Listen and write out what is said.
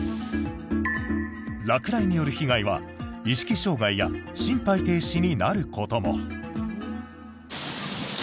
落雷による被害は意識障害や心肺停止になることも。